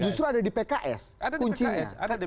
justru ada di pks kuncinya